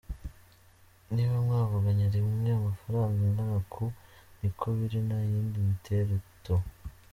Niba mwavuganye rimwe amafaranga angana uku, niko biri nta yindi mitereto.